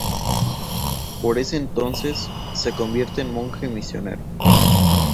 Por ese entonces, se convierte en monje misionero.